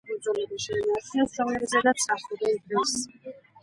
მათ მხოლოდ ის მცირე კუნძულები შეინარჩუნეს, რომლებზედაც სახლობენ დღეს.